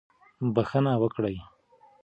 بښنه وکړئ.